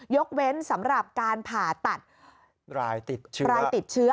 ยกเว้นสำหรับการผ่าตัดรายติดเชื้อ